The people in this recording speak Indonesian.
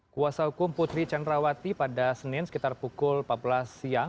kuasa hukum putri candrawati pada senin sekitar pukul empat belas siang